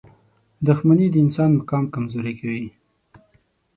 • دښمني د انسان مقام کمزوری کوي.